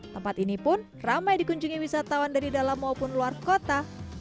tempat ini pun ramai dikunjungi wisatawan dari dalam maupun luar kota